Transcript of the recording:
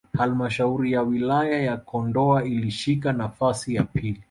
halmshauri ya wilaya ya Kondoa ilishika nafasi ya pili